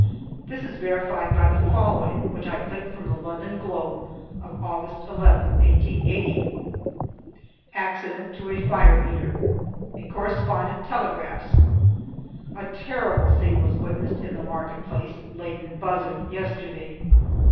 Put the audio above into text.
This is verified by the following, which I clip from the London Globe of August 11th, 1880: Accident to a Fire Eater. A correspondent telegraphs: A terrible scene was witnessed in the market place, Leighton Buzzard, yesterday.